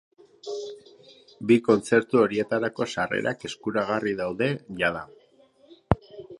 Bi kontzertu horietarako sarrerak eskuragarri daude jada.